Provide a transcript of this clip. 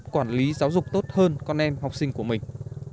quản lý giáo dục tốt hơn con em học sinh của mình